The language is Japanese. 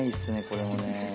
これもね。